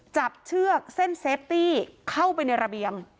เชือกเส้นเซฟตี้เข้าไปในระเบียง